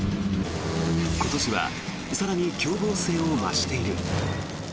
今年は更に凶暴性を増している。